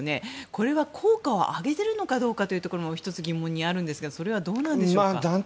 これは効果を上げているのかも１つ、疑問にあるんですがそれはどうなんでしょうか。